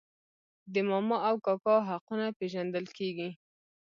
د ماما او کاکا حقونه پیژندل کیږي.